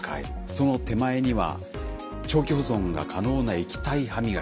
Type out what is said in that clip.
その手前には長期保存が可能な液体はみがき。